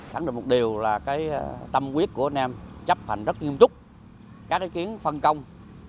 thẳng được một điều là cái tâm quyết của anh em chấp hành rất nghiêm trúc các ý kiến phân công